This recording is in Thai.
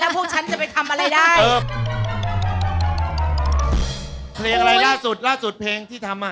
แล้วพวกฉันจะไปทำอะไรได้